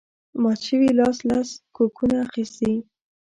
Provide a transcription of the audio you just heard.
مات شوي لاس لس کوکونه اخیستي